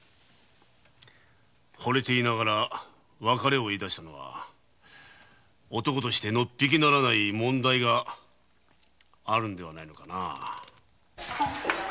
ほれていながら別れを言い出したのは男としてのっぴきならぬ問題があるからだろう。